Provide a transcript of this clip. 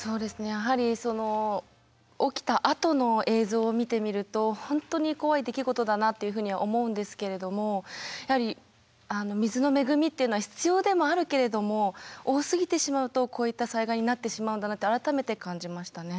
やはり起きたあとの映像を見てみると本当に怖い出来事だなっていうふうには思うんですけれどもやはり水の恵みっていうのは必要でもあるけれども多すぎてしまうとこういった災害になってしまうんだなって改めて感じましたね。